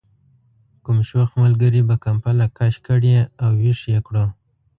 کوم شوخ ملګري به کمپله کش کړې او ویښ یې کړو.